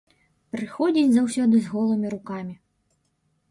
Прыходзіць заўсёды з голымі рукамі.